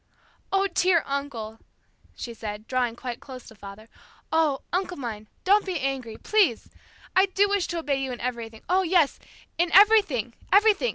"Oh, dear uncle," she said, drawing quite close to father, "oh, oh, uncle mine, don't be angry, please. I do wish to obey you in everything. Oh, yes, in everything, everything!